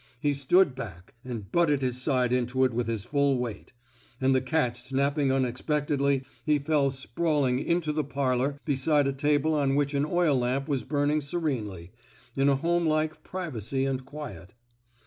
He stood back and butted his side into it with his full weight; and the catch snapping unexpectedly, he fell sprawl ing into the parlor beside a table on which an oil lamp was burning serenely, in a home like privacy and quiet.